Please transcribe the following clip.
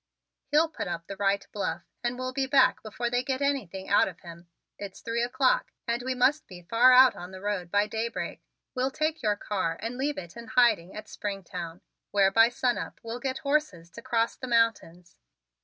He'll put up the right bluff and we'll be back before they get anything out of him. It's three o'clock and we must be far out on the road by daybreak. We'll take your car and leave it in hiding at Springtown, where by sunup we'll get horses to cross the mountains."